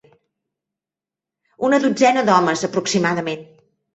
Una dotzena d'homes, aproximadament